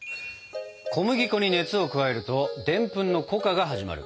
小麦粉に熱を加えるとでんぷんの糊化が始まる。